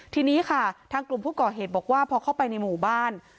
ทีนี้ค่ะทางกลุ่มผู้ก่อเหตุบอกว่าพอเข้าไปในหมู่บ้าน